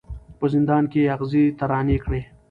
په زندان کي یې آغازي ترانې کړې